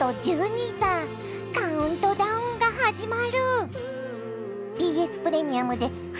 カウントダウンが始まる！